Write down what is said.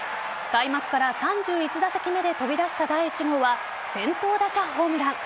開幕から３１打席目で飛び出した第１号は先頭打者ホームラン。